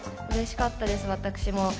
うれしかったです、私も。